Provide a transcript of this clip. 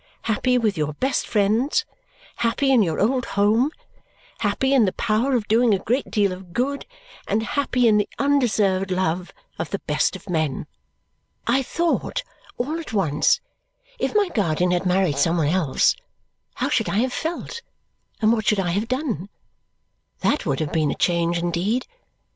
Happy with your best friends, happy in your old home, happy in the power of doing a great deal of good, and happy in the undeserved love of the best of men." I thought, all at once, if my guardian had married some one else, how should I have felt, and what should I have done! That would have been a change indeed.